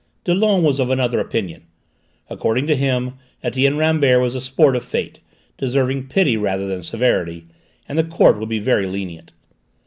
Dollon was of another opinion: according to him Etienne Rambert was a sport of fate, deserving pity rather than severity, and the court would be very lenient.